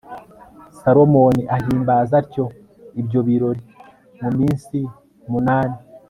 salomoni ahimbaza atyo ibyo birori mu minsi munani